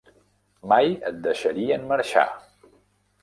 Mai et deixarien marxar!